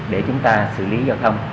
để chúng ta xử lý giao thông